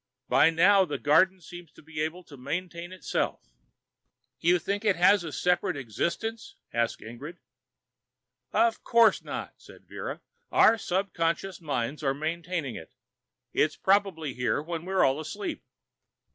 "By now, the garden seems to be able to maintain itself." "You think it has a separate existence?" asked Ingrid. "Of course not," said Vera. "Our subconscious minds are maintaining it. It's probably here when we're all asleep."